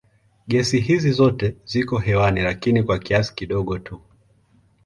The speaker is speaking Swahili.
Gesi hizi zote ziko hewani lakini kwa kiasi kidogo tu.